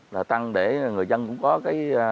là tăng để người dân cũng có cái